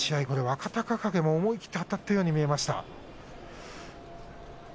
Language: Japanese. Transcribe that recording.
若隆景も思い切ってあたったように見えました。